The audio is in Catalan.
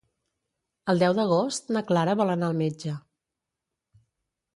El deu d'agost na Clara vol anar al metge.